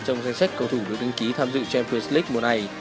trong danh sách cầu thủ được đăng ký tham dự champions league mùa này